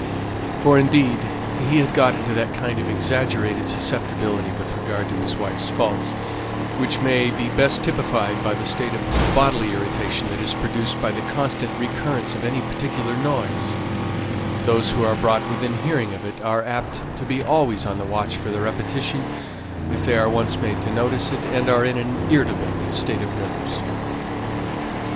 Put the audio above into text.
For, indeed, he had got into that kind of exaggerated susceptibility with regard to his wife's faults, which may be best typified by the state of bodily irritation that is produced by the constant recurrence of any particular noise: those who are brought within hearing of it, are apt to be always on the watch for the repetition, if they are once made to notice it, and are in an irritable state of nerves.